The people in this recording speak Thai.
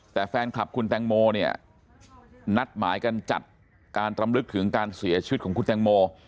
แต่แฟนคลับคุณแตงโมเนี่ยนัดหมายกันจัดการรำลึกถึงการเสียชีวิตของคุณแตงโม